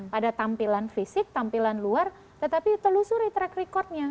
pada tampilan fisik tampilan luar tetapi telusuri track recordnya